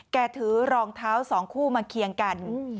ถือรองเท้าสองคู่มาเคียงกัน